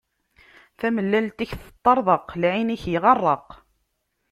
Tamellalt-ik teṭṭeṛḍeq, lɛin-ik iɣeṛṛeq.